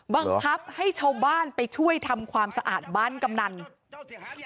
บังคับให้ชาวบ้านไปช่วยทำความสะอาดบ้านกำนัน